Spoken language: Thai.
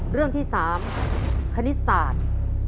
เรื่องที่๓คณิตศาสตร์